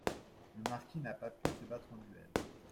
Le marquis n'a pas pu se battre en duel.